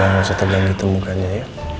udah gak usah terbang gitu mukanya ya